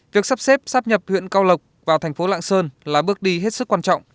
việc sắp xếp sắp nhập huyện cao lộc vào thành phố lạng sơn là bước đi hết sức quan trọng